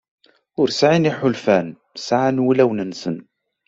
Ur sɛin iḥulfan, ɛṣan wulawen-nsen.